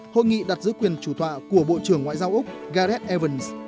hội nghị đặt giữ quyền chủ tọa của bộ trưởng ngoại giao úc gareth erven